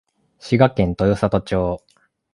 滋賀県豊郷町